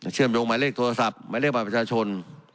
เชื่อมโยงหมายเลขโทรศัพท์หมายเลขบัตรประชาชน